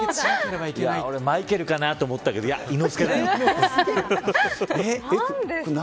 俺、マイケルかなと思ったたけど、伊之助。